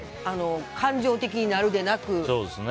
感情的になるでなく。